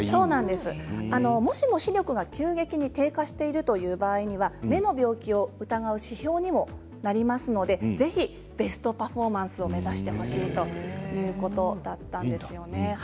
もしも視力が急激に低下しているという場合には目の病気を疑う指標にもなりますのでぜひ、ベストパフォーマンスを目指してほしいということだったんですよね。